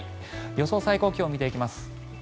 予想最高気温見ていきます。